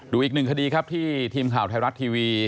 อีกหนึ่งคดีครับที่ทีมข่าวไทยรัฐทีวี